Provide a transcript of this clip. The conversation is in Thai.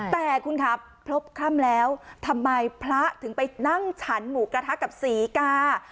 แต่คุณครับพบคล่ำแล้วทำไมพระถึงไปนั่งฉันหมูกระทะกับศรีกา